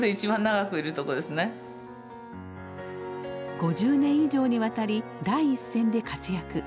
５０年以上にわたり第一線で活躍。